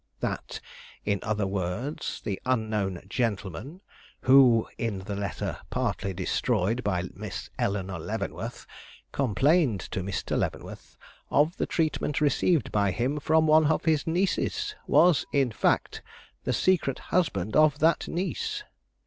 That, in other words, the unknown gentleman who, in the letter partly destroyed by Miss Eleanore Leavenworth, complained to Mr. Leavenworth of the treatment received by him from one of his nieces, was in fact the secret husband of that niece.